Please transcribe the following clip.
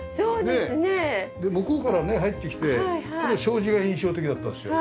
で向こうからね入ってきてこの障子が印象的だったんですよ。